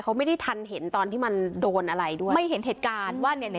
เขาไม่ได้ทันเห็นตอนที่มันโดนอะไรด้วยไม่เห็นเหตุการณ์ว่าเนี่ย